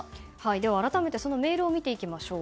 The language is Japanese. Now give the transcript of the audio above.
では、改めてそのメールを見ていきましょう。